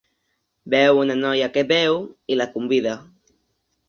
Veu una noia que beu i la convida.